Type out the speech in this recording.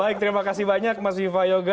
baik terima kasih banyak mas viva yoga